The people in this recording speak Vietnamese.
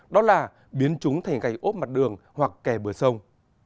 đó là biến chúng thành cây ốp mặt đường hoặc kè bờ sông